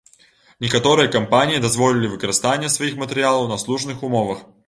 Некаторыя кампаніі дазволілі выкарыстанне сваіх матэрыялаў на слушных умовах.